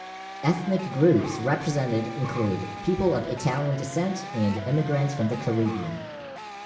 Ethnic groups represented include people of Italian descent and immigrants from the Caribbean.